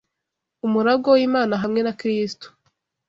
umuragwa w’Imana hamwe na Kristo